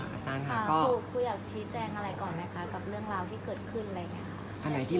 อาจารย์ค่ะครูอยากชี้แจงอะไรก่อนไหมคะกับเรื่องราวที่เกิดขึ้นอะไรอย่างนี้ค่ะ